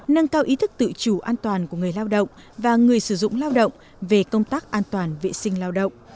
nâng cao ý thức tự chủ an toàn của người lao động và người sử dụng lao động về công tác an toàn vệ sinh lao động